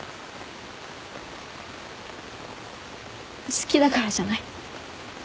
好きだからじゃない？